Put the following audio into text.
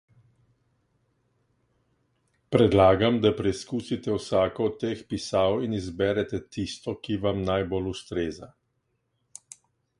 Predlagam, da preizkusite vsako od teh pisav in izberete tisto, ki vam najbolj ustreza.